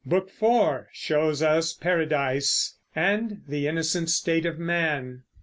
Book IV shows us Paradise and the innocent state of man.